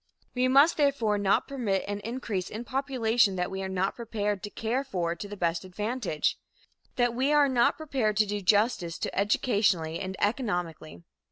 We must, therefore, not permit an increase in population that we are not prepared to care for to the best advantage that we are not prepared to do justice to, educationally and economically.